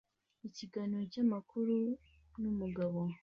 ikiganiro cyamakuru numugabo